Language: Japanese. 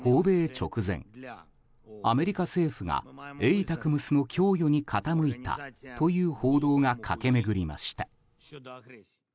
直前アメリカ政府がＡＴＡＣＭＳの供与に傾いたという報道が駆け巡りました。